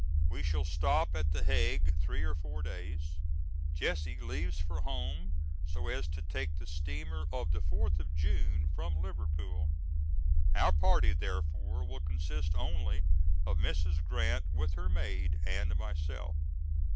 We shall stop at The Hague three or four days. Jesse leaves for home so as to take the steamer of the fourth of June from Liverpool. Our party therefore will consist only of Mrs. Grant with her maid and myself.